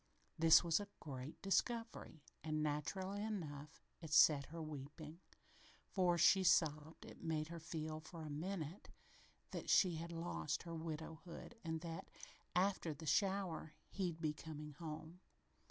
This was a great discovery, and, naturally enough, it set her weeping, for, she sobbed, it made her feel, for a minute, that she had lost her widowhood and that, after the shower, he'd be coming home.